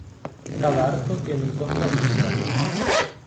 Cada arco tiene un coste asociado.